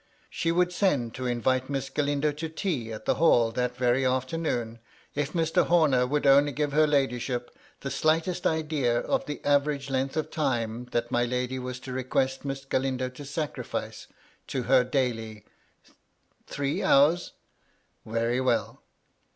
She would send to invite Miss Galindo to tea at the Hall that very afternoon, if Mr. Homer would only give her ladyship the slightest idea of the average length of time that my lady was to request Miss Galindo to sacrifice to her daily, "Three hours! Very well."